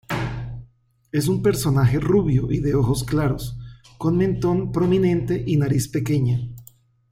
Es un personaje rubio y de ojos claros, con mentón prominente y nariz pequeña.